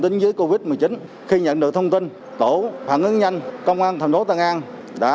tính dưới covid một mươi chín khi nhận được thông tin tổ phản ứng nhanh công an thành phố tân an đã